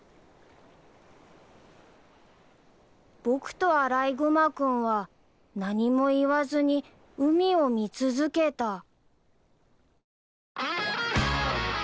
［僕とアライグマ君は何も言わずに海を見続けた］